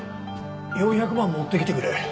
４００万持ってきてくれ。